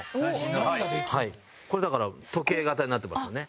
これだから時計型になってますよね。